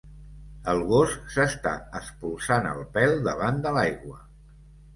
El gos s'està espolsant el pèl davant de l'aigua.